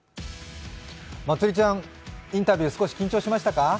まつりちゃん、インタビュー少し緊張しましたか？